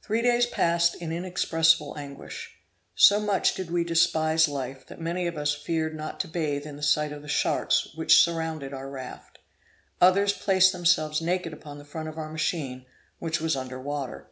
Three days passed in inexpressible anguish. So much did we despise life, that many of us feared not to bathe in sight of the sharks which surrounded our raft; others placed themselves naked upon the front of our machine, which was under water.